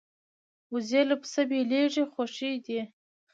وزې له پسه بېلېږي خو ښې دي